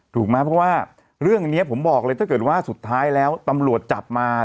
ถูกไหมเพราะว่าเรื่องนี้ผมบอกเลยถ้าเกิดว่าสุดท้ายแล้วตำรวจจับมา